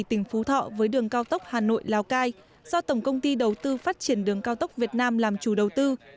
tỉnh phú thọ với đường cao tốc hà nội lào cai do tổng công ty đầu tư phát triển đường cao tốc việt nam làm chủ đầu tư